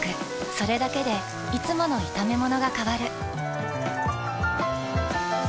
それだけでいつもの炒めものが変わる。